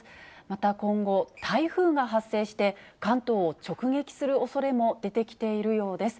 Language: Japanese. また今後、台風が発生して、関東を直撃するおそれも出てきているようです。